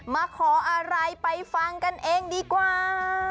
มาขออะไรไปฟังกันเองดีกว่า